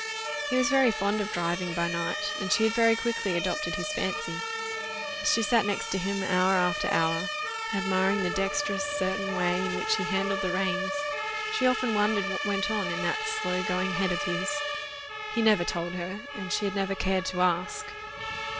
He was very fond of driving by night, and she had very quickly adopted his fancy: as she sat next to him hour after hour, admiring the dexterous, certain way in which he handled the reins, she often wondered what went on in that slow going head of his. He never told her, and she had never cared to ask.